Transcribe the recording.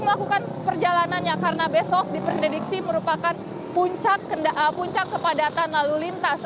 melakukan perjalanannya karena besok diprediksi merupakan puncak kepadatan lalu lintas